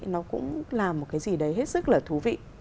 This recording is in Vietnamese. nó cũng là một cái gì đấy hết sức là thú vị